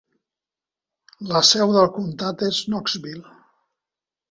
La seu del comtat és Knoxville.